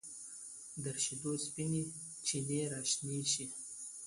تر شیدو سپینې چینې راشنې شي